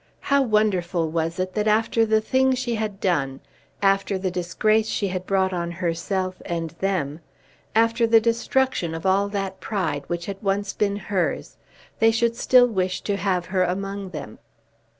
How wonderful was it that after the thing she had done, after the disgrace she had brought on herself and them, after the destruction of all that pride which had once been hers, they should still wish to have her among them!